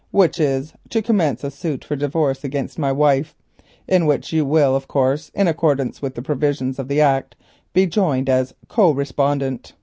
That purpose is to commence a suit for divorce against my wife, in which you will, of course, in accordance with the provisions of the Act, be joined as co respondent.